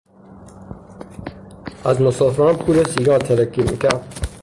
از مسافران پول و سیگار تلکه میکرد.